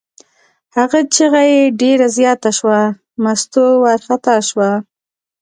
هغه چغه یې ډېره زیاته شوه، مستو وارخطا شوه.